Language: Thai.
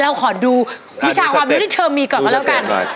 เราขอดูวิชาความรู้ที่เธอมีก่อนก็แล้วกัน